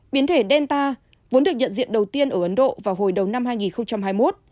biến thể delta vốn được nhận diện đầu tiên ở ấn độ vào hồi đầu năm hai nghìn hai mươi một